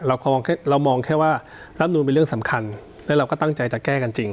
เรามองแค่ว่ารับนูนเป็นเรื่องสำคัญและเราก็ตั้งใจจะแก้กันจริง